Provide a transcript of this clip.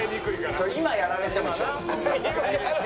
今やられてもちょっとそんな。